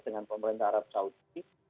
dengan pemerintah arab saudi